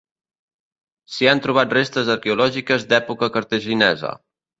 S'hi han trobat restes arqueològiques d'època cartaginesa.